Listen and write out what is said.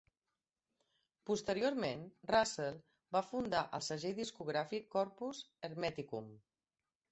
Posteriorment Russell va fundar el segell discogràfic Corpus Hermeticum.